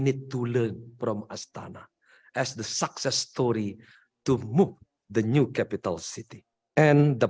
dan kita harus belajar dari astana sebagai cerita keberhasilan untuk memulai kota kapital baru